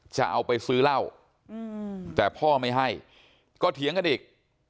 จะเอาไปซื้อเหล้าแต่พ่อไม่ให้ก็เถียงกันอีก